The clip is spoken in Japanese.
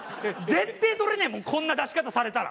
絶対とれねえもんこんな出し方されたら。